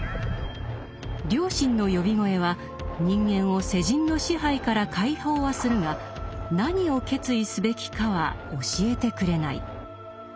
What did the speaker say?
「良心の呼び声」は人間を世人の支配から解放はするが何を決意すべきかは教えてくれない。